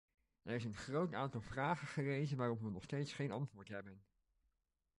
Er is een groot aantal vragen gerezen waarop we nog steeds geen antwoord hebben.